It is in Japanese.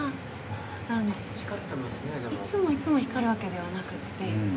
いつもいつも光るわけではなくて。